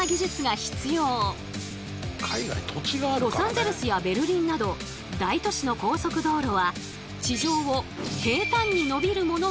ロサンゼルスやベルリンなど大都市の高速道路は地上を平たんに伸びるものがほとんど。